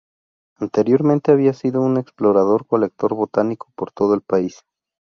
Anteriormente había sido un explorador colector botánico por todo el país.